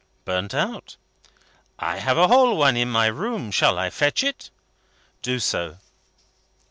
"Burnt out." "I have a whole one in my room. Shall I fetch it?" "Do so."